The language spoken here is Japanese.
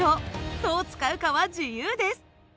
どう使うかは自由です。